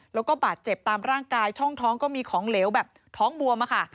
แล้วก็บาดเจ็บตามร่างกายช่องท้องก็มีของเหลวแบบท้องบวมอะค่ะ